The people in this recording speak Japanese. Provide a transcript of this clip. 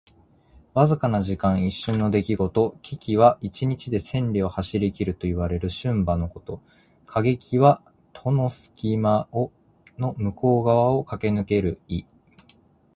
わずかな時間。一瞬の出来事。「騏驥」は一日で千里を走りきるといわれる駿馬のこと。「過隙」は戸の隙間の向こう側をかけぬける意。